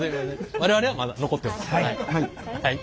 我々はまだ残ってます。